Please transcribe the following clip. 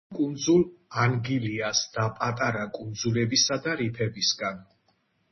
შედგება კუნძულ ანგილიას და პატარა კუნძულებისა და რიფებისგან.